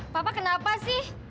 papa kenapa sih